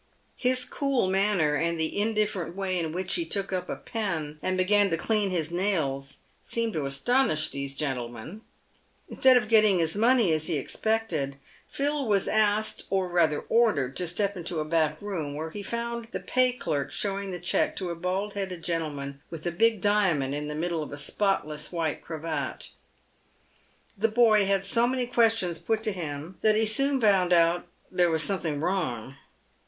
His cool manner, and the indifferent way in which he took up a pen and began to clean his nails, seemed to astonish these gentlemen. Instead of getting his money as he expected, Phil was asked, or rather ordered, to step into a back room, where he found the pay clerk showing the cheque to a bald headed gentleman with a big diamond in the middle of a spotless white cravat. The boy had so many questions put to him that he soon found out there was something wrong.